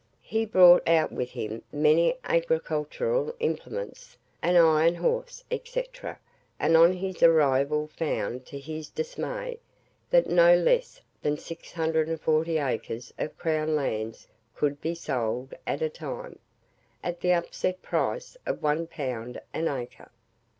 He brought out with him many agricultural implements, an iron house, &c. and on his arrival found, to his dismay, that no less than 640 acres of crown lands could be sold, at a time, at the upset price of one pound an acre.